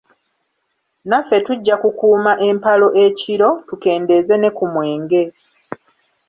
Naffe tujja kukuuma empalo ekiro, tukendeeze ne ku mwenge.